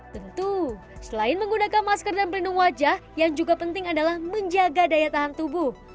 tentu selain menggunakan masker dan melindungi wajah yang juga penting adalah menjaga daya tahan tubuh